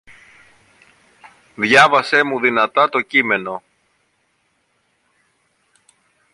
Διάβασέ μου δυνατά το κείμενο.